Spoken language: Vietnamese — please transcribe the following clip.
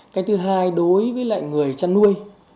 cái thứ hai đối với lại người chăn nuôi